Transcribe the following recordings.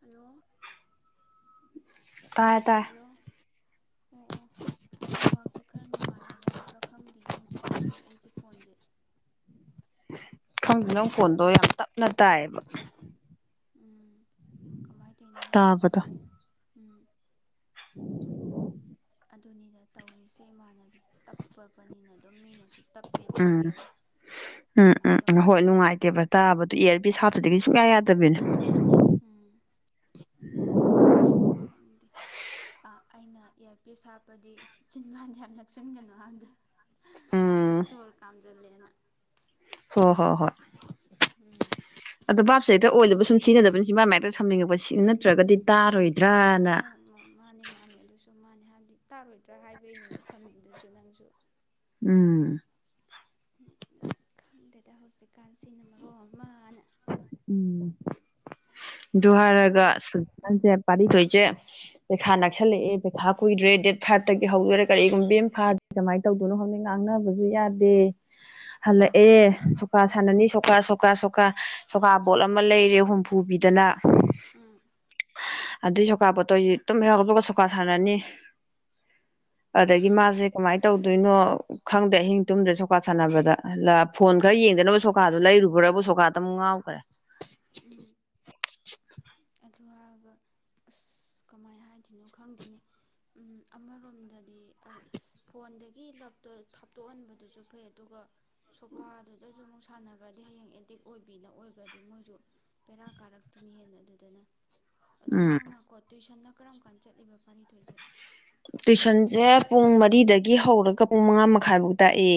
Hello ꯇꯥꯏ ꯇꯥꯏ hello ꯑꯣ ꯑꯣ [inaudible] ꯈꯔ ꯅꯨꯡꯉꯥꯏꯕ ꯋꯥꯠꯄ꯭ꯔꯥ ꯈꯪꯗꯦꯕ ꯍꯧꯖꯤꯛꯀꯥꯟꯁꯦ ꯑꯩꯒꯤ ꯐꯣꯟꯁꯦ ꯈꯪꯗꯦ ꯅꯪ ꯐꯣꯟꯗꯣ ꯇꯥꯔꯕꯣ ꯌꯥꯝ ꯇꯞꯅ ꯇꯥꯏꯌꯦꯕ [inaudible] [unintelligible] ꯎꯝ ꯀꯃꯥꯏꯅ ꯇꯧꯔꯤꯅꯣ ꯈꯪꯗꯦ ꯇꯥꯕꯗꯣ ꯁꯨꯃꯥꯏ [unintelligible] ꯑꯗꯨꯅꯤꯗ ꯇꯧꯔꯤꯁꯦ ꯏꯃꯥꯟꯅꯕꯤ ꯇꯞꯄꯕꯅꯤꯅ ꯑꯗꯨꯝ ꯃꯤꯅꯁꯨ ꯇꯞꯄꯦ ꯇꯞꯄꯦ ꯎꯝ ꯎꯝ ꯀꯃꯥꯏꯅ ꯎꯝ ꯎꯝ ꯇꯧꯕꯅꯣ ꯍꯣꯏ ꯈꯪꯗꯦ ꯅꯨꯡꯉꯥꯏꯇꯦꯕ ꯇꯥꯕꯗꯨ [unintelligible] ꯁꯨꯡꯌꯥ ꯌꯥꯗꯕꯤꯅꯤ ꯎꯝ ꯈꯪꯗꯦ ꯑꯥ ꯑꯩꯅ ꯏꯌꯔꯄꯤꯁ ꯍꯥꯞꯄꯗꯤ ꯆꯤꯟꯕꯥꯟꯗ ꯌꯥꯝ ꯅꯛꯁꯤꯟꯒꯅꯨ ꯑꯗꯤ ꯎꯝ ꯁꯣꯔ ꯀꯥꯝ ꯆꯜꯂꯦꯅ ꯍꯣ ꯍꯣ ꯍꯣꯏ ꯑꯗꯣ ꯕꯥꯞꯁꯤ ꯍꯦꯛꯇ ꯑꯣꯏꯗꯕ ꯁꯨꯝ ꯁꯤꯖꯤꯟꯅꯗꯕꯅꯤ ꯆꯤꯟꯕꯥꯟ ꯃꯥꯌꯥꯗ ꯁꯝꯅꯤꯡꯉꯛꯄ ꯁꯤ ꯅꯠꯇ꯭ꯔꯒꯗꯤ ꯇꯥꯔꯣꯏ ꯑ ꯃꯥꯅꯦ ꯃꯥꯅꯦ ꯑꯗꯨꯁꯨ ꯃꯥꯅꯦ ꯍꯥꯏꯕꯗꯤ ꯇꯥꯔꯣꯏꯗ꯭ꯔꯥ ꯍꯥꯏꯕꯒꯤꯅꯦꯕ ꯊꯝꯃꯤꯗꯨꯁꯨ ꯅꯪꯁꯨ ꯎꯝ ꯈꯪꯗꯦ ꯍꯧꯖꯤꯛꯀꯥꯟꯁꯤꯅ ꯃꯔꯣ ꯑꯃ ꯎꯝ ꯨ ꯑꯗꯨ ꯍꯥꯏꯔꯒ ꯎꯝ [unintelligible] ꯄꯥꯔꯤꯊꯣꯏꯁꯦ ꯄꯩꯈꯥ ꯅꯛꯁꯜꯂꯛꯑꯦ ꯄꯩꯈꯥ ꯀꯨꯏꯗ꯭ꯔꯦ ꯗꯦꯠ ꯐꯥꯏꯚꯇꯒꯤ ꯍꯧꯗꯣꯏꯔꯦ ꯀꯔꯤꯒꯨꯝꯕꯤ ꯑꯃ ꯐꯥꯗꯔ꯭ꯤ ꯀꯃꯥꯏꯅ ꯇꯧꯗꯣꯏꯅꯣ ꯈꯪꯗꯦ ꯉꯥꯡꯅꯕꯁꯨ ꯌꯥꯗꯦ ꯍꯜꯂꯛꯑꯦ ꯁꯣꯀꯥ ꯁꯥꯟꯅꯅꯤ ꯁꯣꯀꯥ ꯁꯣꯀꯥ ꯁꯣꯀꯥ ꯁꯣꯀꯥꯕꯣꯠ ꯑꯃ ꯂꯩꯔꯦ ꯍꯨꯝꯐꯨ ꯄꯤꯗꯅ ꯎꯝ ꯑꯗꯨꯏ ꯁꯣꯀꯥ ꯕꯣꯠꯇꯣꯁꯦ ꯇꯨꯝ ꯍꯦꯛ ꯍꯧꯒꯠꯂꯛꯄꯒ ꯁꯣꯀꯥ ꯁꯥꯟꯅꯅꯤ ꯑꯗꯒꯤ ꯃꯥꯁꯦ ꯀꯃꯥꯏꯅ ꯇꯧꯗꯣꯏꯅꯣ ꯈꯪꯗꯦ ꯑꯍꯤꯡ ꯇꯨꯝꯗ꯭ꯔꯦ ꯁꯣꯀꯥ ꯁꯥꯟꯅꯕꯗ ꯐꯣꯟ ꯈꯔ ꯌꯦꯡꯗꯅꯕ ꯁꯣꯀꯥꯗꯨꯣ ꯂꯩꯔꯨꯕ꯭ꯔ ꯁꯣꯀꯥꯗꯨ [unintelligible] ꯉꯥꯎꯈ꯭ꯔꯦ ꯎꯝ ꯑꯗꯨ ꯍꯥꯏꯔꯒ ꯑꯁ ꯀꯃꯥꯏꯅ ꯍꯥꯏꯗꯣꯏꯅꯣ ꯈꯪꯗꯦꯅꯤ ꯑꯃꯔꯣꯝꯗꯗꯤ ꯐꯣꯟꯗꯒꯤ ꯂꯞꯇ ꯊꯥꯞꯇꯣꯛꯍꯟꯕꯗꯨꯁꯨ ꯐꯩ ꯑꯗꯨꯒ ꯁꯣꯀꯥꯗꯨꯗꯁꯨ ꯑꯃꯨꯛ ꯁꯥꯟꯅꯈ꯭ꯔꯗꯤ ꯍꯌꯦꯡ ꯑꯦꯗꯤꯛ ꯑꯣꯏꯕꯤꯅ ꯑꯣꯏꯔꯒꯗꯤ ꯃꯣꯏꯁꯨ ꯕꯦꯔꯥ ꯀꯥꯔꯛꯇꯤꯅꯤ ꯍꯦꯟꯅ ꯑꯗꯨꯗꯅ ꯑꯗꯨꯝ ꯎꯝ [unintelligible] ꯇꯨꯋꯁꯟꯗ ꯀꯔꯝ ꯀꯥꯟꯗ ꯆꯠꯂꯤꯕ ꯄꯥꯔꯤꯊꯣꯏꯗꯤ ꯇ꯭ꯨꯁꯟꯁꯦ ꯄꯨꯡ ꯃꯔꯤꯗꯒꯤ ꯍꯧꯔꯒ ꯄꯨꯡ ꯃꯉꯥ ꯃꯈꯥꯏꯐꯧ ꯇꯥꯛꯑꯦ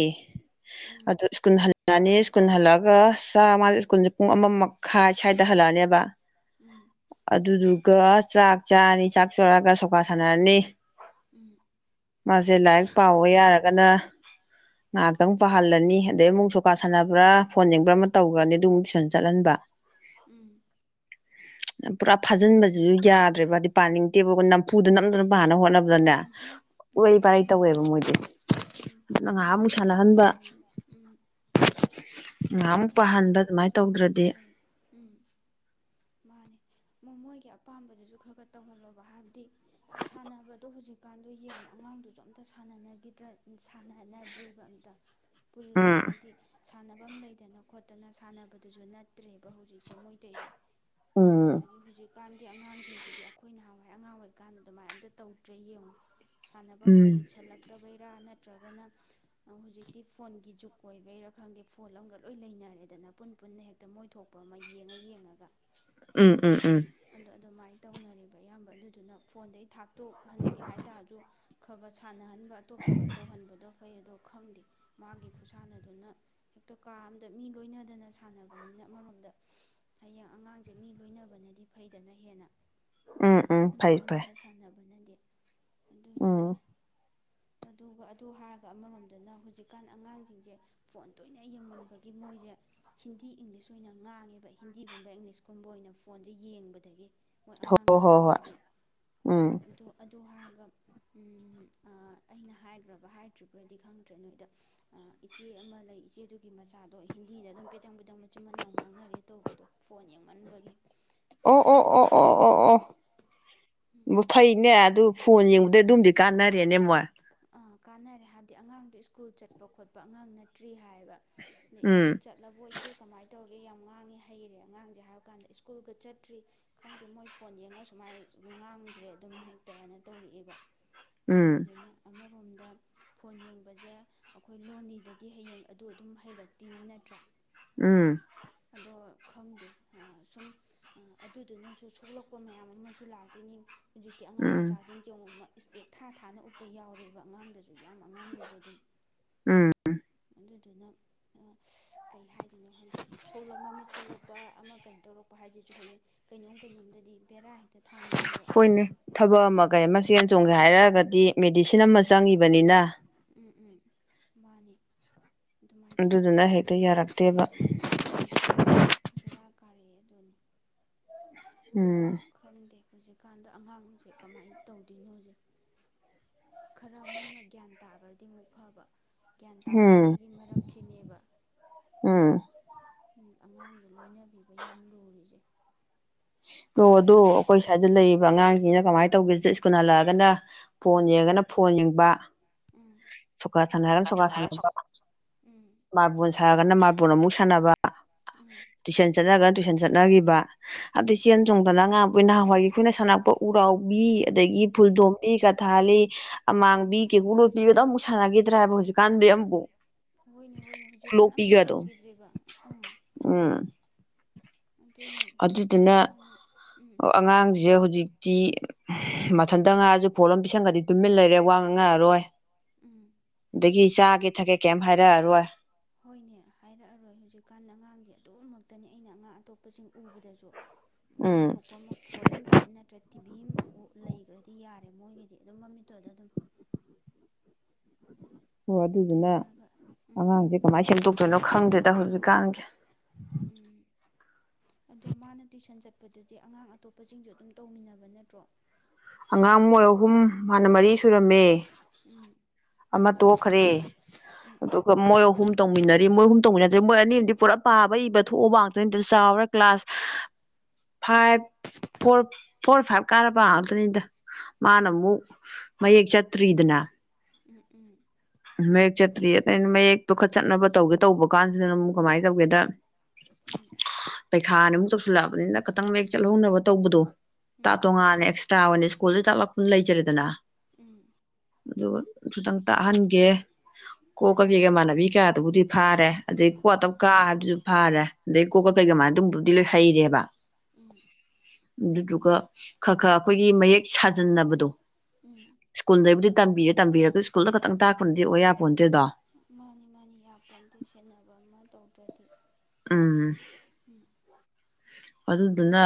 ꯎꯝ ꯑꯗꯣ ꯁ꯭ꯀꯨꯜ ꯍꯟꯂꯥꯀꯅꯤ ꯁ꯭ꯀꯨꯜ ꯍꯜꯂꯛꯑꯒ ꯆꯥꯝꯃꯗ ꯁ꯭ꯀꯨꯜꯁꯦ ꯄꯨꯡ ꯑꯃ ꯃꯈꯥꯏ ꯁ꯭ꯋꯥꯏꯗ ꯍꯜꯂꯛꯑꯅꯦꯕ ꯎꯝ ꯑꯗꯨꯁꯨ ꯀꯥ ꯆꯥꯛ ꯆꯥꯔꯅꯤ ꯆꯥꯥꯛ ꯆꯔꯒ ꯁꯣꯏ ꯄꯥ ꯁꯅꯔꯅꯤ ꯎꯝ ꯃꯥꯁꯦ ꯂꯥꯏꯔꯤꯛ ꯄꯥꯎꯕ ꯌꯥꯔꯒꯅ ꯉꯥꯏꯍꯥꯛꯇꯪ ꯄꯥꯍꯜꯂꯅꯤ ꯑꯗꯩ ꯑꯃꯨꯛ ꯁꯨꯀꯥ ꯎꯝ ꯁꯥꯟꯅꯕ꯭ꯔꯥ ꯐꯣꯟ ꯌꯦꯡꯕ꯭ꯔꯥ ꯑꯃ ꯇꯧꯈ꯭ꯔꯅꯤ ꯑꯗꯨ ꯇꯨꯏꯁꯟ ꯆꯠꯍꯟꯕ ꯎꯝ ꯄꯨꯔꯥ ꯐꯥꯖꯤꯟꯕꯁꯤꯁꯨ ꯌꯥꯗ꯭ꯔꯦꯕ ꯍꯥꯏꯗꯤ ꯄꯥꯅꯤꯡꯗꯦꯕ ꯅꯝꯐꯨꯗ ꯅꯝꯗꯨꯅ ꯄꯥꯅ ꯍꯣꯠꯅꯕ ꯑꯗꯨꯅꯦ ꯎꯝꯍꯨꯝ ꯋꯥꯔꯤ ꯎꯝꯍꯨꯝ ꯄꯔꯩ ꯎꯝ ꯇꯧꯋꯦꯕ ꯃꯣꯏꯗꯤ ꯎꯝ ꯉꯥꯏꯍꯥꯛꯃꯨꯛ ꯅꯝꯐꯨꯗꯗꯤ ꯁꯥꯟꯅꯍꯟꯕ ꯄꯥꯍꯜꯂꯦ ꯎꯝ ꯉꯥꯏꯍꯥꯛꯃꯨꯛ ꯃꯣꯏ ꯄꯥꯍꯟꯕ ꯑꯗꯨꯃꯥꯏꯅ ꯑꯄꯥꯝꯕꯗꯨꯁꯨ ꯉꯥꯏꯍꯥꯛ ꯇꯧꯗ꯭ꯔꯗꯤ ꯇꯧꯍꯜꯂꯨ ꯎꯝ ꯃꯥꯅꯦ ꯃꯣꯏꯒꯤ ꯑꯄꯥꯝꯕꯗꯨꯁꯨ ꯈꯔ ꯈꯔ ꯇꯧꯍꯜꯂꯣꯕ ꯍꯥꯏꯕꯗꯤ ꯁꯥꯟꯅꯕꯗꯣ ꯍꯧꯖꯤꯛꯀꯥꯟꯗꯣ ꯌꯦꯡꯉꯨ ꯑꯉꯥꯡꯗꯨꯁꯨ ꯑꯝꯇ ꯁꯅꯗ꯭ꯔ ꯁꯥꯟꯅꯅꯗ꯭ꯔꯦꯕ ꯑꯝꯇ ꯄꯨꯜꯂꯒ ꯎꯝ ꯍꯥꯏꯕꯗꯤ ꯁꯥꯟꯕ ꯂꯩ ꯗꯅ ꯈꯣꯠꯇꯅ ꯁꯥꯟꯅꯕꯗꯨꯁꯨ ꯅꯠꯇ꯭ꯔꯦꯕ ꯍꯧꯖꯤꯛꯁꯦ ꯃꯣꯏꯇꯩꯁꯦ ꯎꯝ ꯑꯗꯒꯤ ꯍꯧꯖꯤꯛ ꯍꯧꯖꯤꯛꯀꯥꯟꯒꯤ ꯑꯉꯥꯡꯁꯤꯡꯁꯤꯗꯤ ꯑꯩꯈꯣꯏ ꯅꯍꯥꯟꯋꯥꯏ ꯑꯉꯥꯡ ꯑꯣꯏꯔꯤꯀꯥꯟꯗ ꯑꯗꯨꯃꯥꯏ ꯑꯝꯇ ꯇꯧꯗ꯭ꯔꯦ ꯌꯦꯡꯉꯨ ꯁꯥꯟꯅꯐꯝ ꯎꯝ ꯂꯩꯁꯜꯂꯛꯇꯕꯩ ꯅꯠꯇ꯭ꯔꯒꯅ ꯍꯧꯖꯤꯛꯇꯤ ꯐꯣꯟꯒꯤ ꯖꯨꯛ ꯑꯣꯏꯕꯩꯔ ꯈꯪꯗꯦ ꯐꯣꯟ ꯂꯧꯒ ꯂꯣꯏ ꯂꯩꯅꯔꯦꯗꯅ ꯄꯨꯟ ꯄꯨꯟꯅ ꯍꯦꯛꯇ ꯃꯣꯏ ꯊꯣꯛꯄ ꯑꯃ ꯌꯦꯡꯉ ꯌꯦꯡꯉꯒ ꯎꯝ ꯎꯝ ꯎꯝ ꯑꯗꯣ ꯑꯗꯨꯃꯥꯏꯅ ꯇꯧꯅꯔꯤꯕ ꯑꯌꯥꯝꯕ ꯑꯗꯨꯗꯨꯅ ꯐꯣꯟꯗꯩ ꯊꯥꯛ ꯇꯣꯛꯍꯟꯒꯦ ꯍꯥꯏ ꯇꯔꯁꯨ ꯈ ꯈꯔ ꯁꯥꯟꯅꯍꯟ ꯑꯗꯨꯒ ꯑꯇꯣꯞꯄ ꯇꯧꯍꯟꯕꯗꯣ ꯐꯩ ꯑꯗꯣ ꯈꯪꯗꯦ ꯃꯥꯒꯤ ꯈꯨꯠꯁꯥꯟꯅꯗꯨꯅ ꯍꯦꯛꯇ ꯀꯥ ꯑꯝꯗ ꯃꯤ ꯂꯣꯏꯅꯗꯅ ꯁꯥꯟꯅꯕꯅꯤꯅ ꯑꯃꯔꯣꯝꯗ ꯍꯌꯦꯡ ꯑꯉꯥꯡꯁꯦ ꯃꯤ ꯂꯣꯏꯅꯕꯅꯗꯤ ꯐꯩꯗꯅ ꯍꯦꯟꯅ ꯎꯝ ꯎꯝ ꯃꯤ ꯐꯩ ꯐꯩ ꯂꯣꯏꯅꯕ ꯁꯥꯟꯅꯕꯅꯗꯤ ꯑꯗꯨꯅꯤꯗ ꯎꯝ ꯑꯗꯨꯒ ꯑꯗꯨ ꯍꯥꯏꯔꯒ ꯑꯃꯔꯣꯝꯗꯅ ꯍꯧꯖꯤꯛꯀꯥꯟ ꯑꯉꯥꯡꯁꯤꯡꯁꯦ ꯐꯣꯟ ꯇꯣꯏꯅ ꯍ ꯌꯦꯡꯃꯟꯕꯒꯤ ꯃꯣꯏꯁꯦ ꯍꯤꯟꯗꯤ ꯏꯪꯂꯤꯁ ꯑꯣꯏꯅ ꯉꯥꯡꯉꯦꯕ ꯍꯤꯟꯗꯤꯒꯨꯝꯕ ꯏꯪꯂꯤꯁꯀꯨꯝꯕ ꯑꯣꯏꯅ ꯐꯣꯟꯁꯦ ꯌꯦꯡꯕꯗꯒꯤ ꯃꯣꯏ ꯍꯣ ꯑꯉꯥꯡ ꯍꯣ ꯈꯔ ꯍꯣꯏ ꯑꯃꯗꯤ ꯎꯝ ꯑꯗꯨ ꯍꯥꯏꯔꯒ ꯑꯩꯅ ꯍꯥꯏꯈ꯭ꯔꯕ ꯍꯥꯏꯗ꯭ꯔꯤꯕ꯭ꯔꯗꯤ ꯈꯪꯗ꯭ꯔꯦ ꯅꯣꯏꯗ ꯏꯆꯦ ꯑꯃ ꯂꯩ ꯏꯆꯦ ꯑꯗꯨꯒꯤ ꯃꯆꯥꯗꯣ ꯍꯤꯟꯗꯤꯗ ꯑꯗꯨꯝ ꯄꯦꯇꯪ ꯄꯦꯇꯪ ꯃꯆꯤꯟ ꯃꯅꯥꯎ ꯉꯥꯡꯅꯔꯦ ꯇꯧꯕꯗꯣ ꯐꯣꯟ ꯌꯦꯡꯃꯟꯕꯒꯤ ꯑꯣ ꯑꯗꯨꯗ ꯑꯣ ꯑꯣ ꯑꯣ ꯑꯣ ꯑꯣ ꯐꯩꯅꯦ ꯑꯗꯨ ꯐꯣꯟ ꯌꯦꯡꯕꯗꯩ ꯑꯗꯨꯝꯗꯤ ꯀꯥꯟꯅꯔꯦꯅꯦ ꯃꯣꯏ ꯀꯥꯟꯅꯔꯦ ꯍꯥꯏꯕꯗꯤ ꯑꯉꯥꯡꯗꯣ ꯁ꯭ꯀꯨꯜ ꯆꯠꯄ ꯈꯣꯠꯄ ꯑꯉꯥꯡ ꯅꯠꯇ꯭ꯔꯤ ꯍꯥꯏꯕ ꯑꯗꯩ ꯎꯝ ꯁ꯭ꯀꯨꯜ ꯆꯠꯂꯕꯣ ꯏꯆꯦ ꯀꯃꯥꯏꯅ ꯇꯧꯔꯤ ꯑꯩꯩ ꯌꯥꯝ ꯉꯥꯡꯉꯤ ꯍꯩꯔꯦ ꯑꯉꯥꯡꯁꯦ ꯍꯥꯏꯕ ꯀꯥꯟꯗ ꯁ꯭ꯀꯨꯜꯒ ꯆꯠꯇ꯭ꯔꯤ ꯈꯪꯗꯦ ꯃꯣꯏ ꯐꯣꯟ ꯌꯦꯡꯉ ꯁꯨꯃꯥꯏ ꯉꯥꯡꯈ꯭ꯔꯦ ꯑꯗꯨꯝ ꯍꯦꯛꯇꯅ ꯇꯧꯔꯛꯑꯦꯕ ꯎꯝ ꯑꯗꯨꯗꯨꯅ ꯑꯃꯔꯣꯝꯗ ꯐꯣꯟ ꯌꯦꯡꯕꯁꯦ ꯑꯩꯈꯣꯏ ꯂꯣꯟꯅꯤꯗꯗꯤ ꯍꯌꯦꯡ ꯑꯗꯨ ꯑꯗꯨꯝ ꯍꯩꯔꯛꯇꯤꯅꯤ ꯅꯠꯇ꯭ꯔꯥ ꯎꯝ ꯑꯗꯣ ꯈꯪꯗꯦ ꯁꯨꯝ ꯑꯗꯨꯗꯨꯅꯁꯨ ꯁꯣꯛꯂꯛꯄ ꯃꯌꯥꯝ ꯑꯃꯁꯨ ꯂꯥꯛꯇꯣꯏꯅꯤ ꯍꯧꯖꯤꯛꯇꯤ ꯑꯉꯥꯡ ꯎꯝ ꯃꯆꯥꯁꯤꯡ ꯌꯦꯟꯉꯨ ꯏꯁꯄꯦꯛ ꯊꯥ ꯊꯥꯅ ꯎꯞꯄ ꯌꯥꯎꯔꯦꯕ ꯑꯉꯥꯡꯗꯁꯨ ꯌꯥꯝ ꯑꯉꯥꯡꯗꯁꯨ ꯑꯗꯨꯝ ꯎꯝ ꯑꯗꯨ ꯑꯗꯨꯅ ꯀꯩ ꯍꯥꯏꯗꯣꯏꯅꯣ ꯍꯟꯗꯦ ꯀꯩꯅꯣ ꯇꯧꯔꯛꯄ ꯍꯥꯏꯗꯨꯁꯨ ꯍꯌꯦꯡ ꯀꯩꯅꯣꯝ ꯀꯩꯅꯣꯝꯗꯗꯤ ꯕꯦꯔꯥ ꯍꯦꯛꯇ ꯊꯥꯡꯉꯛꯑꯦꯕ ꯍꯣꯏꯅꯦ ꯊꯕꯛ ꯑꯃ ꯀꯩ ꯑꯃ ꯆꯦꯟ ꯆꯣꯡꯒꯦ ꯍꯥꯏꯔꯒꯗꯤ ꯃꯦꯗꯤꯁꯤꯟ ꯑꯃ ꯎꯝ ꯆꯪꯉꯤꯕꯅꯤꯅ ꯎꯝ ꯎꯝ ꯃꯥꯅꯤ ꯑꯗꯨꯃꯥꯏꯅ ꯑꯗꯨꯗꯨꯅ ꯆꯪꯕꯅꯤꯅ ꯍꯦꯛꯇ ꯌꯥꯔꯛꯇꯦꯕ ꯎꯝ ꯕꯦꯔꯥ ꯀꯥꯔꯛꯑꯦ ꯑꯗꯨꯅꯤ ꯑꯗꯨꯅ ꯎꯝ ꯈꯪꯗꯦ ꯍꯧꯖꯤꯛ ꯍꯧꯖꯤꯛꯀꯥꯟꯗ ꯑꯉꯥꯡꯁꯦ ꯀꯃꯥꯏꯅ ꯇꯧꯗꯣꯏꯅꯣꯁꯦ ꯈꯔ ꯃꯣꯏꯅ ꯒ꯭ꯌꯥꯟ ꯇꯥꯈ꯭ꯔꯗꯤ ꯑꯃꯨꯛ ꯐꯕ ꯒ꯭ꯌꯥꯟ ꯎꯝ ꯇꯥꯗ꯭ꯔꯤꯉꯩꯒꯤ ꯃꯔꯛꯁꯤꯅꯦꯕ ꯎꯝ ꯑꯉꯥꯡꯁꯦ ꯂꯣꯏꯅꯕꯤꯕ ꯌꯥꯝ ꯂꯨꯔꯤꯁꯦ ꯑꯣ ꯑꯗꯣ ꯎꯝ ꯑꯩꯈꯣꯏ ꯁ꯭ꯋꯥꯏꯗ ꯂꯩ ꯑꯗꯨꯒ ꯑꯉꯥꯡꯁꯤꯡꯁꯤꯅ ꯀꯃꯥꯏꯅ ꯇꯧꯒꯦꯁꯨ ꯁ꯭ꯀꯨꯜ ꯍꯜꯂꯛꯑꯒꯅ ꯐꯣꯟ ꯎꯝ ꯌꯦꯡꯉꯅ ꯐꯣꯟ ꯌꯦꯡꯕ ꯁꯣꯛꯀꯥ ꯁꯥꯟꯅꫪꯒ ꯁꯣꯛ ꯀꯥ ꯁꯥꯅꯕꯥ ꯎꯝ ꯃꯔꯕꯜ ꯁꯥꯔꯒꯅ ꯃꯥꯄꯣꯟꯅ ꯑꯃꯨꯛ ꯁꯥꯟꯅꯕ ꯎꯝ ꯔꯤꯁꯟꯁ ꯆꯠꯅꯔꯒ ꯇꯨꯏꯁꯟ ꯆꯠꯅꯈꯤꯕ ꯑꯗꯨꯩ ꯎꯝ ꯆꯦꯟ ꯆꯣꯡꯗꯅ ꯉꯥ ꯑꯩꯈꯣꯏ ꯅꯍꯥꯟꯋꯥꯏꯒꯤ ꯑꯩꯈꯣꯏꯅ ꯁꯥꯟꯅꯄ ꯎꯔꯥꯎꯕꯤ ꯑꯗꯒꯤ ꯎꯝ ꯐꯨꯜꯗꯣꯝꯕꯤ ꯊꯜꯂꯤ ꯎꯝ ꯃꯥꯡꯕꯤ ꯀꯦꯒꯂꯣ ꯄꯤꯕꯗ ꯁꯥꯟꯉꯒꯗ꯭ꯔꯥꯏꯕ ꯍꯣꯏ ꯍꯣꯏꯅꯦ ꯍꯣꯏꯅꯦ ꯍꯧꯖꯤꯛꯀꯥꯟ ꯑꯝꯇ ꯈꯨꯂꯣꯛꯄꯤꯒꯗꯣ ꯎꯈꯤꯗ꯭ꯔꯦꯕ ꯑꯥ ꯎꯝ ꯑꯗꯨꯅꯤ ꯑꯗꯨꯗꯨꯅ ꯍꯧꯖꯤꯛꯀꯥꯟꯁꯤꯅꯃ ꯎꯝ ꯑꯉꯥꯡꯁꯦ ꯍꯧꯖꯤꯛꯇꯤ ꯃꯊꯟꯇ ꯉꯥꯏꯑꯁꯨ ꯐꯣꯠ ꯑꯃꯝ ꯄꯤꯁꯟꯒꯗꯤ ꯇꯨꯃꯤꯟ ꯂꯩꯔꯦ ꯋꯥ ꯉ ꯉꯛꯑꯔꯣꯏ ꯎꯝ ꯆꯥꯒꯦ ꯊꯛꯀꯦ ꯀꯩꯝ ꯍꯥꯏꯔꯛꯑꯔꯣꯏ ꯍꯣꯏꯅꯦ ꯍꯥꯏꯔꯛꯑꯔꯣꯏ ꯍꯧꯖꯤꯛꯀꯥꯟ ꯑꯉꯥꯡꯗꯤ ꯑꯗꯨꯃꯛꯇꯅꯤ ꯑꯩꯅ ꯑꯉꯥꯡ ꯑꯇꯣꯞꯄꯁꯤꯡ ꯎꯕꯗꯁꯨ ꯃꯣꯏꯅ ꯎꯝ ꯊꯣꯛꯄ ꯑꯃ ꯐꯣꯜ ꯑꯃ ꯅꯠꯇ꯭ꯔ ꯇꯤꯚꯤ ꯂꯩꯈ꯭ꯔꯗꯤ ꯌꯥꯔꯦ ꯃꯣꯏꯒꯤꯗꯤ ꯑꯗꯨꯝ ꯃꯃꯤꯠꯇꯨꯗ ꯑꯗꯨꯝ ꯍꯣꯏ ꯑꯗꯨ ꯑꯗꯨꯗꯨꯅ ꯍꯥꯏꯔꯒ ꯎꯝ ꯑꯉꯥꯡꯁꯦ ꯀꯃꯥꯏꯅ ꯁꯦꯝꯗꯣꯛꯇꯣꯏꯅꯣ ꯈꯪꯗꯅ ꯇ ꯍꯧꯔꯕꯤ ꯀꯥꯥꯡꯒꯦ ꯎꯝ ꯑꯗꯣ ꯃꯥꯅ ꯇꯨꯁꯟ ꯆꯠꯄꯗꯨꯗꯤ ꯑꯉꯥꯡ ꯑꯇꯣꯞꯄꯁꯤꯡꯁꯨ ꯑꯗꯨꯝ ꯇꯧꯃꯤꯟꯅꯕ ꯅꯠꯇ꯭ꯔꯣ ꯑꯉꯥꯡ ꯃꯣꯏ ꯑꯍꯨꯝ ꯃꯥꯅ ꯃꯔꯤ ꯁꯨꯔꯝꯃꯦ ꯎꯝ ꯑꯃ ꯇꯣꯈ꯭ꯔꯦ ꯎꯝ ꯎꯝ ꯑꯗꯨꯒ ꯃꯣꯏ ꯑꯍꯨꯝ ꯇꯧꯃꯤꯟꯅꯔ ꯃꯣꯏ ꯑꯍꯨꯝ ꯇꯧꯃꯤꯟꯅꯠꯇꯦ ꯃꯣꯏ ꯑꯅꯤ ꯑꯗꯤ ꯄꯨꯔꯥ ꯄꯥꯕ ꯏꯕ ꯊꯣꯛꯑꯕ ꯉꯥꯛꯇꯅꯤꯗ ꯆꯥꯎꯔ class five four four five ꯀꯥꯔꯕ ꯅꯤꯗ ꯃꯥꯅ ꯑꯃꯨꯛ ꯃꯌꯦꯛ ꯆꯠꯇ꯭ꯔꯤꯗꯅ ꯎꯝ ꯎꯝ ꯃꯌꯦꯛ ꯀꯇꯔꯤꯗꯨ ꯈ ꯆꯅ ꯇꯧꯒꯦ ꯇꯧꯕ ꯀꯥꯟꯁꯤꯗꯅ ꯑꯗꯨꯝ ꯀꯃꯥꯏꯅ ꯇꯧꯒꯦꯗ ꯄꯩꯈꯥꯕꯨ ꯇꯧ ꯆꯜꯂꯛꯑꯕꯅꯤꯅ ꯈꯤꯇꯪ ꯃꯌꯦꯛ ꯆꯠꯍꯧꯅꯕ ꯇꯧꯕꯗꯣ ꯎꯝ ꯎꯝ ꯎꯝ ꯎꯝ ꯇꯥ ꯎꯝ ꯇꯣꯉꯅ ꯑꯦꯛꯁꯇ꯭ꯔꯥ ꯁꯀꯣꯜꯗ ꯇꯥꯛꯂꯛꯄꯅ ꯂꯩꯖꯔꯦꯗꯅ ꯎꯝ ꯑꯗꯨꯒ ꯈꯤꯇꯪ ꯇꯥꯍꯟ ꯌꯦꯏ ꯫ ꯀꯣꯀ ꯀꯩꯒ ꯃꯥꯅꯕꯤ ꯀꯌꯥꯗꯨꯕꯨꯗꯤ ꯐꯥꯔꯦ ꯑꯗꯩ ꯀꯣꯛꯇ ꯎꯝ ꯀꯥꯕꯗꯨꯁꯨ ꯐꯥꯔꯦ ꯑꯗꯩ ꯀꯣꯛꯀ ꯎꯝ ꯀꯩꯀ ꯃꯥꯅ ꯑꯗꯨꯕꯨꯗꯤ ꯂꯣꯏ ꯍꯩꯔꯦꯕ ꯎꯝ ꯑꯗꯨꯗꯨꯒ ꯈꯔ ꯈꯔ ꯑꯩꯈꯣꯏꯒꯤ ꯃꯌꯦꯛ ꯁꯥꯖꯟꯅꯕꯗꯣ ꯎꯝ ꯁꯀꯨꯣꯟꯗꯦꯏꯕꯨꯗꯤ ꯇꯝꯕꯤꯔꯦ ꯇꯝꯕꯤꯌꯦ ꯁꯀꯜꯗ ꯈꯛꯇꯪ ꯇꯥꯛ ꯄꯨꯟꯗꯤ ꯑꯣꯏ ꯌꯥꯄꯣꯟꯇꯦꯗꯣ ꯃꯥꯅꯤ ꯃꯥꯅꯤ ꯌꯥꯄꯣꯟꯗꯤꯦ ꯁꯦꯟꯅꯕ ꯑꯃ ꯇꯧꯗ꯭ꯔꯗꯤ ꯎꯝ ꯎꯝ ꯑꯗꯨꯗꯨꯅ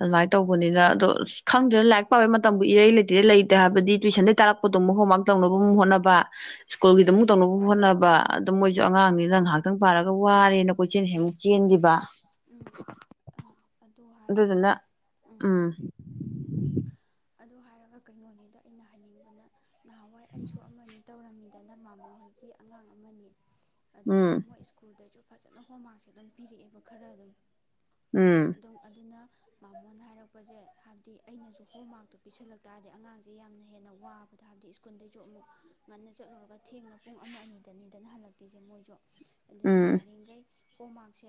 ꯑꯗꯨꯃꯥꯏꯅ ꯇꯧꯕꯅꯤꯅ ꯑꯗꯣ ꯈꯪꯗꯦꯅ ꯂꯥꯏꯔꯤꯛ ꯄꯥꯕꯩ ꯃꯇꯝꯕꯨ ꯏꯔꯩ ꯂꯩꯇꯩ ꯂꯩꯇꯦ ꯍꯥꯏꯕꯗꯤ ꯇꯨꯏꯁꯟꯗꯒꯤꯩ ꯇꯥꯔꯛꯄꯗꯨꯝ ꯍꯣꯝꯋꯥꯔꯛ ꯇꯧꯅꯕ ꯍꯣꯠꯅꯕ ꯎꯝ ꯁ꯭ꯀꯨꯜꯒꯤꯗ ꯑꯃꯨꯛ ꯇꯧꯅꯕ ꯍꯣꯠꯅꯕ ꯑꯗꯨꯝ ꯃꯣꯏꯁꯨ ꯎꯝ ꯑꯉꯥꯡꯅꯤ ꯅ ꯉꯥꯏꯍꯥꯛꯇꯪ ꯄꯥꯔꯒ ꯋꯥꯔꯦꯅ ꯀꯣꯏꯆꯦꯜ ꯑꯃꯨꯛ ꯆꯦꯟꯈꯤꯕ ꯎꯝ ꯑꯗꯨ ꯍꯥꯏꯔꯒ ꯑꯗꯨꯗꯨꯅ ꯎꯝ ꯑꯗꯨ ꯍꯥꯏꯔꯒ ꯀꯩꯅꯣꯅꯤꯗ ꯑꯩꯅ ꯍꯥꯏꯅꯤꯡꯕꯅ ꯅꯍꯥꯟꯋꯥꯏ ꯑꯩꯁꯨ ꯑꯃꯅꯤ ꯇꯧꯔꯝꯃꯤꯗꯅ ꯃꯥꯃꯣ ꯍꯣꯏꯒꯤ ꯑꯉꯥꯡ ꯑꯃꯅꯤ ꯑꯗꯨꯗ ꯎꯝ ꯃꯣꯏ ꯁ꯭ꯀꯨꯜꯗꯁꯨ ꯐꯖꯅ ꯍꯣꯝꯃꯥꯔꯁꯦ ꯑꯗꯨꯝ ꯄꯤꯔꯛꯑꯦꯕ ꯈꯔ ꯑꯗꯨꯝ ꯎꯝ ꯑꯗꯨꯝ ꯑꯗꯨꯅ ꯃꯥꯃꯣꯅ ꯍꯥꯏꯔꯛꯄꯁꯦ ꯍꯥꯏꯕꯗꯤ ꯑꯩꯅꯁꯨ ꯍꯣꯝꯋꯥꯛ ꯄꯤꯁꯜꯂꯛꯇꯥꯔꯗꯤ ꯑꯉꯥꯡꯁꯦ ꯌꯥꯝꯅ ꯍꯦꯟꯅ ꯋꯥꯕꯗꯣ ꯍꯥꯏꯕꯗꯤ ꯁ꯭ꯀꯨꯜꯗꯩꯁꯨ ꯑꯃꯨꯛ ꯉꯟꯅ ꯆꯠꯂꯨꯔꯒ ꯊꯦꯡꯅ ꯄꯨꯡ ꯑꯃ ꯑꯅꯤꯗꯅꯤꯗꯅ ꯍꯜꯂꯛꯇꯤꯁꯦ ꯃꯣꯏꯁꯨ ꯑꯗꯨꯅ ꯎꯝ ꯌꯥꯔꯤꯈꯩ ꯍꯣꯝꯃꯥꯛꯁꯦ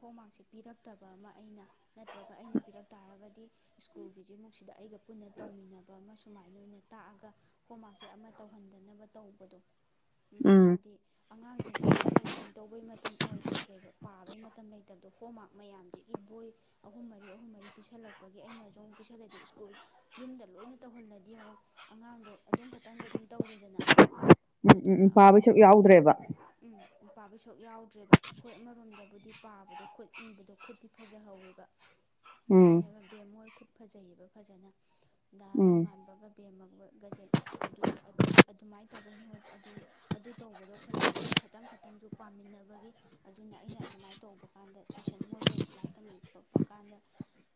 ꯍꯣꯝꯃꯥꯛꯁꯦ ꯄꯤꯔꯛꯇꯕ ꯑꯃ ꯑꯩꯅ ꯅꯠꯇ꯭ꯔꯒ ꯑꯩꯅ ꯄꯤꯔꯛ ꯇꯥꯔꯒꯗꯤ ꯁ꯭ꯀꯨꯜꯒꯤꯁꯤꯃꯨꯛ ꯁꯤꯗ ꯑꯩꯒ ꯄꯨꯟꯅ ꯇꯧꯃꯤꯟꯅꯕ ꯑꯃ ꯁꯨꯃꯥꯏꯅ ꯑꯣꯏꯅ ꯇꯥꯛꯑꯒ ꯍꯣꯝꯋꯔꯛꯁꯦ ꯑꯃ ꯇꯧꯍꯟꯗꯅꯕ ꯇꯧꯕꯗꯣ ꯎꯝ ꯍꯥꯏꯕꯗꯤ ꯑꯉꯥꯡꯁꯦ ꯂꯥꯏꯔꯤꯛꯁꯦ ꯀꯩꯅ ꯇꯧꯕꯩ ꯃꯇꯝ ꯑꯣꯏꯈꯤꯗ꯭ꯔꯦꯕ ꯄꯥꯕꯩ ꯃꯇꯝ ꯂꯩꯇꯕꯗꯣ ꯍꯣꯝꯋꯔꯛ ꯃꯌꯥꯝꯁꯤꯒꯤ ꯕꯣꯏ ꯑꯍꯨꯝ ꯃꯔꯤ ꯑꯍꯨꯝ ꯃꯔꯤ ꯄꯤꯁꯜꯂꯛꯄ ꯉꯤ ꯑꯩꯅꯁꯨ ꯑꯃꯨꯛ ꯄꯤꯁꯜꯂꯦ ꯁ꯭ꯀꯨꯜ ꯌꯨꯝꯗ ꯂꯣꯏꯅ ꯇꯧꯍꯜꯂꯗꯤ ꯌꯦꯡꯉꯣ ꯑꯉꯥꯡꯗꯣ ꯑꯗꯨꯝ ꯈꯛꯇꯪꯗ ꯑꯗꯨꯝ ꯇꯧꯔꯦꯗꯅ ꯎꯝ ꯑꯗꯨꯗꯨꯅ ꯎꯝ ꯄꯥꯕꯩ ꯑꯉꯥꯡꯗꯣ ꯁꯔꯨꯛ ꯐꯠ ꯌꯥꯎꯗ꯭ꯔꯦꯕ ꯎꯝ ꯄꯥꯕꯩ ꯁꯔꯨꯛ ꯌꯥꯎꯗ꯭ꯔꯦꯕ ꯍꯣꯏ ꯑꯃꯔꯣꯝꯗꯕꯨꯗꯤ ꯄꯥꯕꯗꯣ ꯈꯨꯠ ꯏꯕꯗꯣ ꯈꯨꯠꯇꯤ ꯐꯖꯍꯧꯋꯦꯕ ꯎꯝ ꯆꯨꯝꯃꯦꯕ ꯕꯦꯝꯃꯍꯣꯏ ꯈꯨꯠ ꯐꯖꯩꯌꯦꯕ ꯐꯖꯅ ꯗꯥ ꯎꯝ ꯂꯝꯉꯥꯟꯕꯒ ꯕꯦꯝꯃꯒꯒꯁꯦ ꯑꯗꯨꯁꯨ ꯑꯗꯨꯒꯤ ꯑꯗꯨꯃꯥꯏꯅ ꯇꯧꯕꯩ ꯃꯍꯨꯠ ꯑꯗꯨ ꯑꯗꯨ ꯇꯧꯕꯗꯣ ꯐꯩ ꯑꯗꯨꯒ ꯈꯇꯪ ꯈꯇꯪꯁꯨ ꯄꯥꯝꯃꯤꯟꯅꯕꯒꯤ ꯑꯗꯨꯅ ꯑꯩꯅ ꯑꯗꯨꯃꯥꯏꯅ ꯇꯧꯕ ꯀꯥꯟꯗ ꯇ꯭ꯋꯏꯁꯟ ꯃꯣꯏꯗꯣ ꯂꯥꯏꯔꯤꯛ ꯇꯝꯕꯤ [unintelligible] ꯀꯥꯟꯗ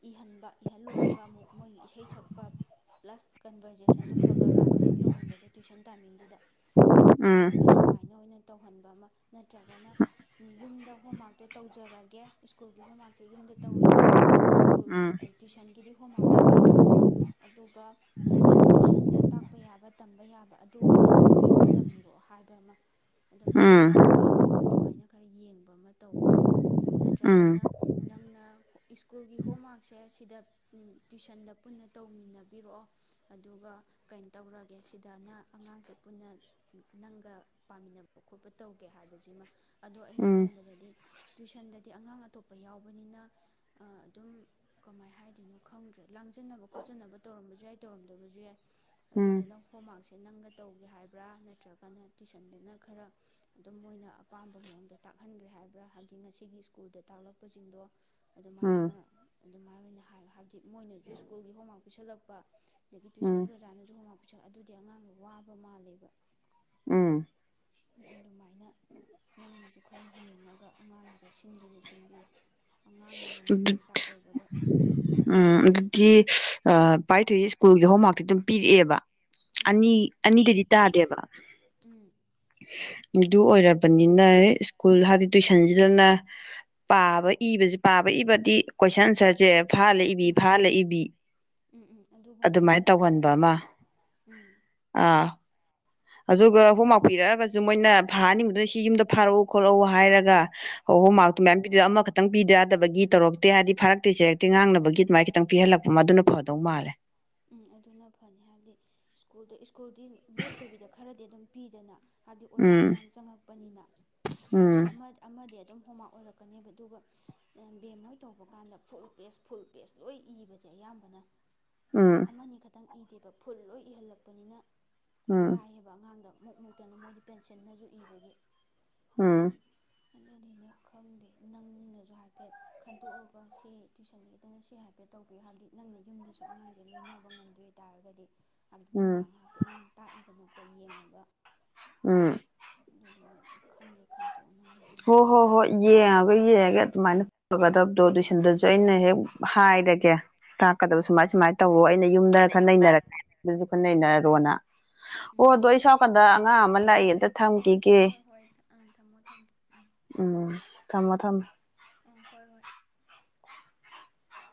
ꯏꯍꯟꯕ ꯏꯍꯜꯂꯣꯏꯔꯒ ꯑꯃꯨꯛ ꯃꯣꯏꯒꯤ ꯏꯁꯩ ꯁꯛꯄ ꯄ꯭ꯂꯁ ꯀꯟꯕꯔꯖꯦꯁꯟꯗꯣ ꯈꯔ ꯈ ꯔꯥꯎꯟ ꯑꯗꯨꯝ ꯇꯧꯍꯟꯕꯗꯣ ꯇ꯭ꯋꯤꯁꯟ ꯇꯥꯏꯃꯤꯡꯗꯨꯗ ꯎꯝ ꯑꯗꯨꯃꯥꯏꯅ ꯑꯣꯏꯅ ꯇꯧꯍꯟ [unintelligible] ꯅꯠꯇ꯭ꯔꯒꯅ ꯌꯨꯝꯗ ꯍꯣꯝꯋꯔꯥꯛꯇꯣ ꯇꯧꯖꯔꯒꯦ ꯁ꯭ꯀꯨꯜꯒꯤ ꯍꯣꯝꯋꯔꯥꯛꯛꯁꯦ ꯌꯨꯝꯗ ꯇꯧꯔꯒꯦ ꯁ꯭ꯀꯨꯜ ꯎꯝ ꯇꯨꯏꯤꯁꯟꯒꯤꯗꯤ ꯍꯣꯝꯋꯔꯛ ꯑꯗꯨꯒ ꯑꯥ ꯁꯨꯝ ꯇꯨꯏꯁꯟ ꯇꯥꯛꯄ ꯌꯥꯕ ꯇꯝꯕ ꯌꯥꯕ ꯑꯗꯨ ꯑꯣꯏꯅ ꯇꯥꯛꯄꯤꯔꯛꯑꯣ ꯇꯝꯕꯤꯔꯛꯑꯣ ꯍꯥꯏꯕ ꯑꯃ ꯎꯝ ꯑꯗꯨꯃꯥꯏꯅ ꯈꯔ ꯎꯝ ꯐꯕ ꯑꯗꯨꯃꯥꯏꯅ ꯈꯔ ꯌꯦꯡꯕ ꯑꯃ ꯇꯧꯕ ꯎꯝ ꯅꯠꯇ꯭ꯔꯒꯅ ꯅꯪꯅ ꯁ꯭ꯀꯨꯜꯒꯤ ꯍꯣꯝꯋꯥꯔꯛꯁꯦ ꯁꯤꯗ ꯎꯝ ꯇ꯭ꯋꯤꯁꯟꯗ ꯄꯨꯟꯅ ꯇꯧꯃꯤꯟꯅꯕꯤꯔꯛꯑꯣ ꯑꯗꯨꯒ ꯀꯩꯅꯣ ꯇꯧꯔꯒꯦ ꯁꯤꯗꯅ ꯑꯉꯥꯡꯁꯦ ꯄꯨꯟꯅ ꯅꯪꯒ ꯄꯥꯃꯤꯟꯅꯕ ꯈꯣꯠꯄ ꯇꯧꯒꯦ ꯍꯥꯏꯕꯁꯤꯃ ꯑꯗꯣ ꯑꯩꯅ ꯎꯝ ꯈꯟꯕꯗꯗꯤ ꯇ꯭ꯋꯤꯁꯟꯗꯗꯤ ꯑꯉꯥꯡ ꯑꯇꯣꯞꯄ ꯌꯥꯎꯕꯅꯤꯅ ꯑꯗꯨꯝ ꯀꯃꯥꯏ ꯍꯥꯏꯗꯣꯏꯅꯣ ꯈꯪꯗ꯭ꯔꯦ ꯂꯥꯡꯖꯟꯅꯕ ꯈꯣꯠꯆꯟꯅꯕ ꯇꯧꯔꯝꯕꯁꯨ ꯌꯥꯏ ꯇꯧꯔꯝꯗꯕꯁꯨ ꯌꯥꯏ ꯑꯗꯨꯗꯨꯅ ꯍꯣꯝꯋꯔꯛꯁꯦ ꯁꯦ ꯅꯪꯒ ꯇꯧꯒꯦ ꯍꯥꯏꯕ꯭ꯔꯥ ꯅꯠꯇ꯭ꯔꯒꯅ꯫ꯇꯨꯏꯁꯟꯗꯅ ꯈꯔ ꯑꯗꯨꯝ ꯃꯣꯏꯅ ꯑꯄꯥꯝꯕ ꯃꯑꯣꯡꯗ ꯇꯥꯛꯍꯟꯈ꯭ꯔꯦ ꯍꯥꯏꯕ꯭ꯔꯥ ꯍꯥꯏꯕꯗꯤ ꯉꯁꯤꯒꯤ ꯁ꯭ꯀꯨꯜꯗ ꯇꯥꯛꯂꯛꯄꯁꯤꯡꯗꯣ ꯑꯗꯨꯃꯥꯏ ꯑꯃ ꯑꯗꯨꯃꯥꯏ ꯑꯣꯏꯅ ꯍꯥꯏ ꯍꯥꯏꯕꯗꯤ ꯃꯣꯏꯅꯁꯨ ꯁ꯭ꯀꯨꯜꯒꯤ ꯍꯣꯡꯋꯥꯔꯀ ꯄꯤꯁꯤꯜꯂꯛꯄ ꯑꯗꯒꯤ ꯇꯨꯏꯁꯟꯒꯤ ꯎꯝ ꯑꯣꯖꯥꯅꯁꯨ ꯍꯣꯝꯋꯔꯀ [unintelligible] ꯑꯗꯨꯗꯤ ꯑꯉꯥꯡꯅ ꯋꯥꯕ ꯃꯥꯜꯂꯦꯕ ꯎꯝ ꯑꯗꯨꯃꯥꯏꯅ ꯅꯪꯅꯁꯨ ꯈꯔ ꯌꯦꯡꯉꯒ ꯑꯉꯥꯡꯒꯤꯗꯣ ꯁꯤꯟꯒꯦꯁꯨ ꯁꯤꯟꯕꯤꯌꯨ ꯑꯉꯥꯡꯅꯒ ꯅꯨꯄꯥ ꯑꯗꯨ ꯃꯆꯥ ꯑꯣꯏꯕꯒ ꯎꯝ ꯇꯤ ꯄꯥꯔꯤꯊꯣꯛꯏ ꯁ꯭ꯀꯨꯜꯒꯤ ꯍꯣꯝꯋꯥꯔꯛꯇꯤ ꯑꯗꯨꯝ ꯄꯤꯔꯛꯑꯦꯕ ꯎꯝ ꯑꯅꯤ ꯑꯅꯤꯗꯩꯩꯗꯤ ꯇꯥꯗꯦꯕ ꯎꯝ ꯑꯗꯨ ꯑꯣꯏꯔꯕꯅꯤꯅ ꯁ꯭ꯀꯨꯜ ꯍꯥꯏꯗꯤ ꯇꯨꯏꯁꯟꯁꯤꯗꯅ ꯄꯥꯕ ꯏꯕꯁꯦ ꯄꯥꯕ ꯏꯕꯗꯤ ꯀꯣꯏꯁꯟ ꯑꯟꯁꯔꯁꯦ ꯐꯥꯍꯜꯂ ꯏꯕꯤ ꯎꯝ ꯐꯥꯍꯜꯂ ꯏꯕꯤ ꯎꯝ ꯎꯝ ꯑꯗꯨꯒꯨꯝꯕ ꯑꯗꯨꯃꯥꯏꯅ ꯈꯔ ꯈꯔ ꯇꯧꯍꯟꯕ ꯑꯃ ꯎꯝ ꯑꯥ ꯑꯗꯨꯒ ꯑꯗꯨꯃꯥꯏꯅ ꯍꯣꯋꯔꯀꯄꯤꯔꯛꯑꯒꯁꯨ ꯃꯣꯏꯅ ꯐꯥꯍꯅꯤꯡꯕꯗꯨꯅ ꯁꯤ ꯌꯨꯝꯗ ꯐꯥꯔꯛꯎ ꯈꯣꯠꯂꯛꯎ ꯍꯥꯏꯔꯒ ꯑꯣ ꯎꯝ ꯃꯥ ꯇꯨ ꯃ ꯑꯃ ꯈꯪꯕꯤꯗ ꯌꯥꯗꯕꯒꯤ ꯇꯧꯔꯛꯇꯦ ꯍꯥꯏꯕꯗꯤ ꯐꯥꯔꯛꯇꯦ ꯆꯦꯔꯛꯇꯦ ꯉꯥꯡꯅꯕꯒꯤ ꯑꯗꯨꯃꯥꯏꯅ ꯈꯤꯇꯪ ꯄꯤꯍꯜꯂꯛꯄ ꯃꯥꯗꯨꯅ ꯐꯗꯧ ꯃꯥꯜꯂꯦ ꯎꯝ ꯑꯗꯨꯅ ꯐꯅꯤ ꯍꯥꯏꯕꯗꯤ ꯁ꯭ꯀꯨꯜꯗ ꯁ꯭ꯀꯨꯜꯒꯤ ꯂꯦꯞꯇꯕꯤꯗ ꯈꯔꯗꯤ ꯑꯗꯨꯝ ꯄꯤꯗꯅ ꯍꯥꯏꯕꯗꯤ ꯑꯣꯖꯥ ꯎꯝ ꯃꯌꯥꯝ ꯆꯪꯉꯛꯄꯅꯤꯅ ꯅꯣꯡꯃ ꯎꯝ ꯑꯃꯗꯤ ꯍꯣꯝꯋꯔ ꯑꯣꯏꯔꯛꯀꯅꯦꯕ ꯑꯗꯨꯒ ꯕꯦꯝ ꯍꯣꯏ ꯇꯧꯕ ꯀꯥꯟꯗ ꯐꯨꯜ ꯄꯦꯁ ꯐꯨꯜ ꯄꯦꯁ ꯂꯣꯏ ꯏꯕꯁꯦ ꯑꯌꯥꯝꯕꯅ ꯎꯝ ꯑꯃꯅꯤ ꯈꯛꯇꯪ ꯏꯗꯦꯕ ꯐꯨꯜ ꯂꯣꯏ ꯏꯍꯜꯂꯛꯄꯅꯤꯅ ꯎꯝ ꯋꯥꯏꯑꯦꯕ ꯑꯉꯥꯡꯗ ꯃꯨꯛ ꯃꯨꯛꯇꯅ ꯃꯣꯏꯗꯤ ꯄꯦꯟꯁꯟꯅꯁꯨ ꯏꯕꯒꯤ ꯎꯝ ꯑꯗꯨꯅꯅ ꯈꯪꯗꯦ ꯅꯪꯅꯁꯨ ꯍꯥꯏꯐꯦꯠ ꯈꯟꯗꯣꯛꯑꯒ ꯁꯤ ꯇꯨꯏꯁꯟꯒꯤꯗꯅ ꯁꯤꯒꯍꯥꯏꯐꯦꯠ ꯇꯧꯕꯤꯌꯨ ꯍꯥꯏꯕꯗꯤ ꯅꯪꯅ ꯌꯨꯝꯗꯁꯨ ꯑꯉꯥꯡꯁꯦ ꯂꯣꯏꯅꯕ ꯉꯝꯗꯣꯏ ꯇꯥꯔꯒꯗꯤ ꯍꯥꯏꯕꯗꯤ ꯎꯝ ꯉꯥꯏꯍ ꯉꯥꯏꯍꯥꯛꯇꯤ ꯑꯉꯥꯡ ꯇꯥꯛꯏꯗꯅꯀꯣ ꯍꯣꯏ ꯌꯦꯡꯉꯒ ꯎꯝ ꯗꯨꯅ ꯈꯟꯒꯦ ꯈꯟ ꯍꯣ ꯍꯣ ꯍꯣꯏ ꯌꯦꯡꯉꯒ ꯌꯦꯡ ꯑꯗꯨꯃꯥꯏꯅ ꯐꯒꯗꯕꯗꯣ ꯂꫭꯏꯁꯟꯗꯁꯨ ꯑꯩꯅ ꯍꯦꯛ ꯍꯥꯏꯔꯒꯦ ꯇꯥꯛꯀꯗꯕ ꯎꯝ ꯎꯝ ꯁꯨꯃꯥꯏ ꯁꯨꯃꯥꯏꯅ ꯇꯧꯔꯣ ꯑꯩꯅ ꯌꯨꯝꯗ ꯈꯔ ꯅꯩꯅꯔ ꯌꯁꯨ ꯈꯔ ꯎꯝ ꯎꯝ ꯅꯩꯅꯔꯔꯣꯅ ꯑꯣ ꯎꯝ ꯑꯗꯣ ꯎꯝ ꯑꯩ ꯁꯀꯥꯟꯗ ꯑꯉꯥꯡ ꯑꯃ ꯂꯥꯛꯏ ꯍꯣꯏ ꯑꯝꯇ ꯑꯣ ꯍꯣꯏ ꯊꯝꯈꯤꯒꯦ ꯍꯣꯏ ꯍꯣꯏ ꯑꯥ ꯊꯝꯃꯣ ꯊꯝꯃꯣ ꯎꯝ ꯊꯝꯃꫭ ꯊꯝꯃꫭ ꯎꯝ ꯍꯣꯏ ꯍꯣꯏ